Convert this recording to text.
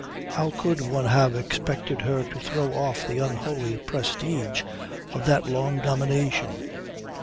How could one have expected her to throw off the unholy prestige of that long domination?